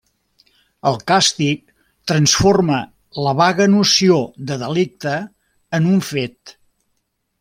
El càstig transforma la vaga noció de delicte en un fet.